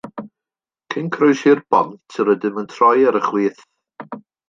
Cyn croesi'r bont yr ydym yn troi ar y chwith.